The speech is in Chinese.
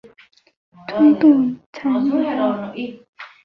推动产业化